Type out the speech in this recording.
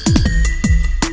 gak ada yang nungguin